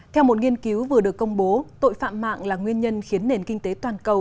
theo một nghiên cứu vừa được công bố tội phạm mạng là nguyên nhân khiến nền kinh tế toàn cầu